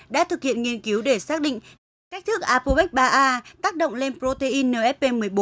đã thực hiện nghiên cứu để xác định cách thức apopec ba a tác động lên protein nfp một mươi bốn